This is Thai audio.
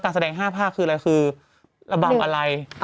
แสดง๕ภาคคืออะไรคือระบำอะไร